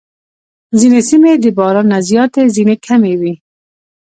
ځینې سیمې د باران نه زیاتې، ځینې کمې وي.